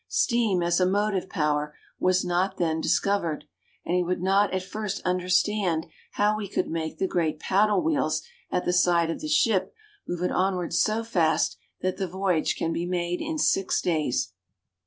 Steam as a motive power was not then discovered, and he would not at first understand how we could make the great paddle wheels at the side of the ship move it onward so fast that the voyage can be made in six days.